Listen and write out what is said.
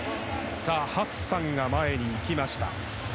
ハッサンが前にいきました。